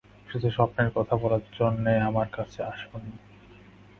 শুধু স্বপ্নের কথা বলার জন্যে আমার কাছে আস নি।